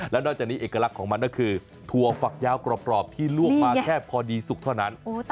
แล้วนอกจากนี้เอกลักษณ์ของมันก็คือถั่วฝักยาวกรอบที่ลวกมาแค่พอดีสุกเท่านั้น